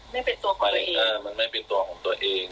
ไม่เป็นตัวของตัวเองมันไม่เป็นตัวของตัวเอง